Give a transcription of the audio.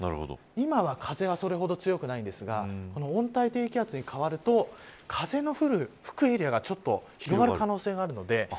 今は、風がそれほど強くないんですが温帯低気圧に変わると風の吹くエリアがちょっと広がる可能性があるので。